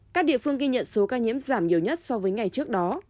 các địa phương ghi nhận số ca nhiễm giảm nhiều nhất so với ngày trước đó